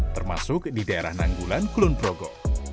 termasuk di daerah nanggulan kulonprogo